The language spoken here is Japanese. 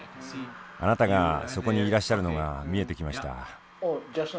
あなたがそこにいらっしゃるのが見えてきました。